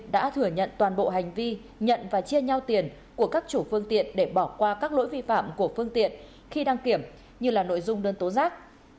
đã thừa nhận toàn bộ hành vi nhận và chia nhau tiền của các chủ phương tiện để bỏ qua các lỗi vi phạm của phương tiện khi đăng kiểm như nội dung đơn tố giác